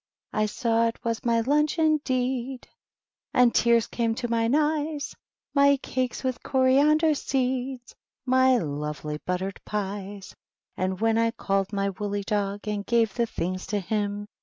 I saw it was my lunch, indeed ! And tears came to mine eyes; My calces with coriander seed. My lovely buttered pies ! And when I called my woolly dog. And gave the things to him.